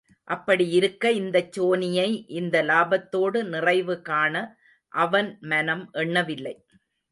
அப்படியிருக்க இந்தச் சோனியை இந்த லாபத்தோடு நிறைவு காண அவன் மனம் எண்ணவில்லை.